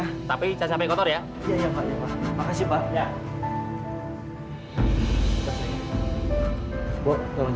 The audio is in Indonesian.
bu tolong jagain atas bu